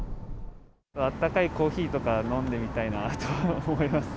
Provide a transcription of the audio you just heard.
あったかいコーヒーとか、飲んでみたいなと思いますね。